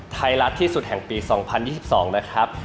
ไทยรัฐที่สุดแห่งปี๒๐๒๒นะครับ